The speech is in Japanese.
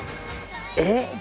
えっ！